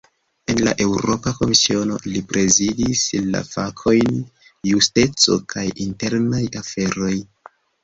En la Eŭropa Komisiono, li prezidis la fakojn "justeco kaj internaj aferoj".